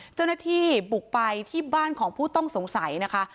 เจ้าหน้าที่บุกไปที่บ้านของผู้ต้องสงสัยนะคะ